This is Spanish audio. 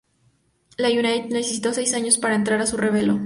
El United necesitó seis años para encontrar a su relevo.